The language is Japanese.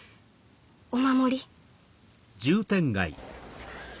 お守り。